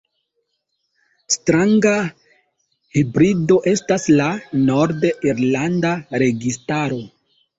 Stranga hibrido estas la nord-irlanda registaro.